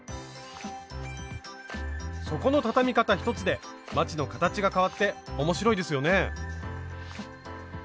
底の畳み方一つでまちの形がかわって面白いですよね。